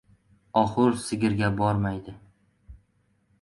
• Oxur sigirga bormaydi.